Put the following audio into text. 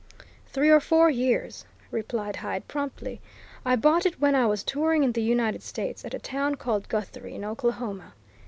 "Three or four years," replied Hyde, promptly. "I bought it when I was touring in the United States, at a town called Guthrie, in Oklahoma.